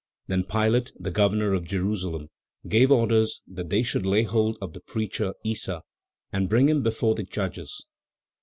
Then Pilate, the Governor of Jerusalem, gave orders that they should lay hold of the preacher Issa and bring him before the judges.